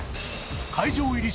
会場入り